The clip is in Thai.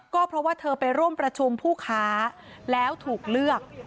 ก็เพราะว่าเธอไปร่วมประชุมผู้ค้าแล้วถูกเลือก